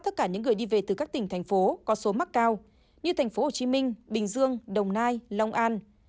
tất cả những người đi về từ các tỉnh thành phố có số mắc cao như tp hcm bình dương đồng nai long an